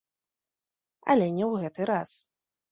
Але не ў гэты раз.